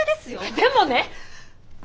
でもね！